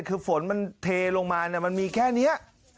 คือฝนมันเทลงมามันมีแค่นี้